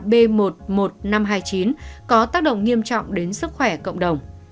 b một một năm trăm hai mươi chín có tác động nghiêm trọng đến sức khỏe cộng đồng